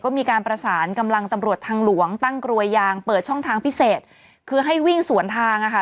ก็มีการประสานกำลังตำรวจทางหลวงตั้งกลวยยางเปิดช่องทางพิเศษคือให้วิ่งสวนทางอ่ะค่ะ